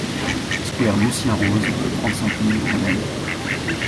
Square Lucien Rose, trente-cinq mille Rennes